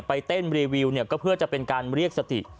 ไปเต้นรีวิวเนี่ยก็เพื่อจะเป็นการเรียกสติ